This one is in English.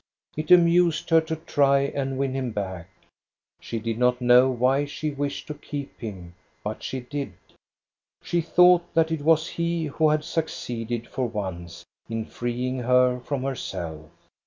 It amused her to try and win him back. She did not know why she wished to keep him, but she did. She thought that it was he who had succeeded for once in freeing her from herself.